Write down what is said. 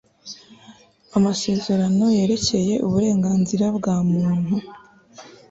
amasezerano yerekeye uburenganzira bwa muntu